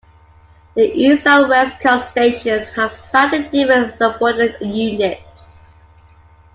The East and West coast stations have slightly different subordinate units.